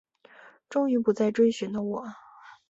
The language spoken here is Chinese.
终于不再追寻的我